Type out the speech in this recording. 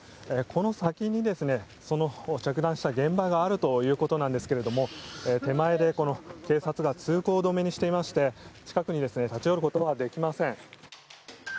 この先に、その着弾した現場があるということなんですが手前で警察が通行止めにしていまして近くに立ち寄ることはできません。